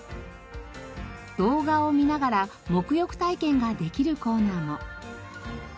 動画を見ながら沐浴体験ができるコーナーも。